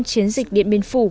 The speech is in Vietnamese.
chiến dịch điện biên phủ